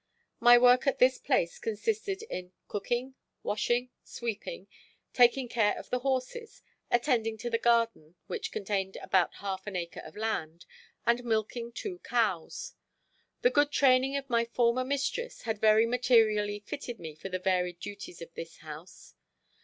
My work at this place consisted in cooking, washing, sweeping, taking care of the horses, attending to the garden, which contained about half an acre of land, and milking two cows. The good training of my former mistress had very materially fitted me for the varied duties of this house.